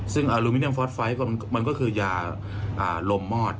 ซึ่งอลูมิเนียมฟอสไฟท์มันก็คือยาลมมอด